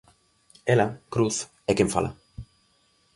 Ela, Cruz, é quen fala.